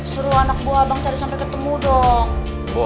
suruh anak buah bang cari sampai ketemu dong